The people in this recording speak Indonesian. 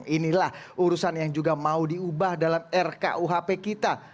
inilah urusan yang juga mau diubah dalam rkuhp kita